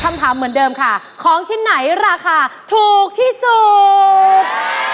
คำถามเหมือนเดิมค่ะของชิ้นไหนราคาถูกที่สุด